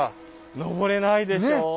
登れないでしょう？